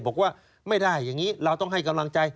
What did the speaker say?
บอกว่าไม่ได้อย่างนี้เราต้องให้กำลังใจ